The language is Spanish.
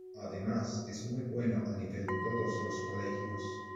Además es muy bueno a nivel de todos los colegios.